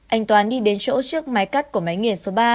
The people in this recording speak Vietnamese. anh toán đi đến chỗ trước máy cắt của máy nghiền số ba